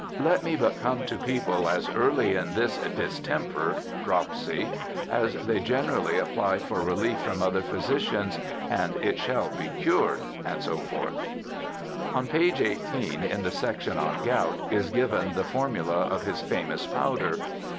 ' Let me but come to People as early in this Distemper (dropsy) as they generally apply for relief from other Physicians, and it shall be cured/ &c. On page 18, in the section on gout, is given the for mula of his famous powder.